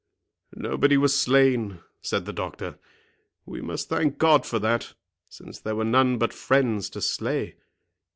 "Nobody was slain," said the doctor; "we must thank God for that, since there were none but friends to slay.